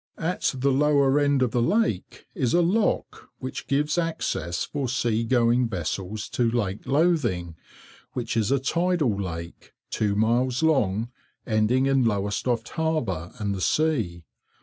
At the lower end of the lake is a lock which gives access for sea going vessels to Lake Lothing, which is a tidal lake, two miles long, ending in Lowestoft harbour and the sea.